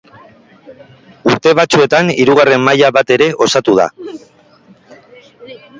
Urte batzuetan hirugarren maila bat ere osatu da.